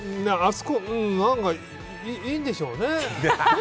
何かいいんでしょうね。